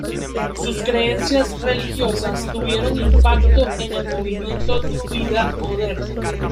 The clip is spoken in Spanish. Sus creencias religiosas tuvieron impacto en el movimiento druida moderno.